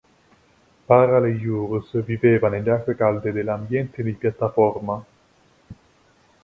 Paralejurus viveva nelle acque calde dell'ambiente di piattaforma.